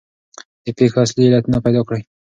د پېښو اصلي علتونه پیدا کړئ.